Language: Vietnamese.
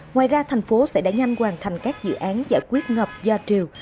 ngoài ra thành phố sẽ đẩy nhanh hoàn thành các dự án giải quyết ngập do triều